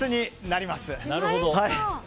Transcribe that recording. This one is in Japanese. なるほど！